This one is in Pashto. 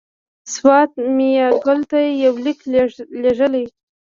سوات میاګل ته یو لیک لېږلی.